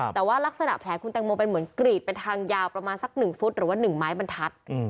แต่ว่ารักษณะแผลคุณแตงโมเป็นเหมือนกรีดเป็นทางยาวประมาณสัก๑ฟุตหรือว่า๑ไม้บรรทัศน์